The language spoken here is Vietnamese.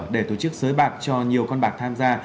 để tổ chức sới bạc cho nhiều con bạc tham gia